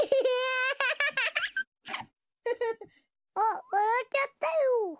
あっわらっちゃったよ。